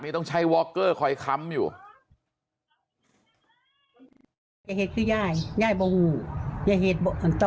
ต้องใช้วอคเกอร์คอยค้ำอยู่